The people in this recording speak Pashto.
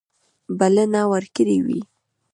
بلنې ورکړي وې.